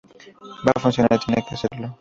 va a funcionar. tiene que hacerlo.